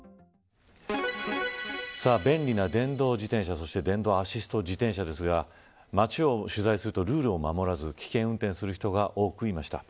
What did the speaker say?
便利な電動自転車電動アシスト自転車ですが街を取材するとルールを守らず危険運転する人が多くいました。